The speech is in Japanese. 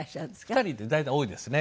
２人で大体多いですね。